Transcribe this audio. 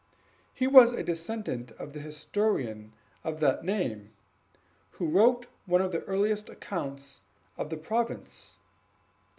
He was a descendant of the historian of that name, who wrote one of the earliest accounts of the province.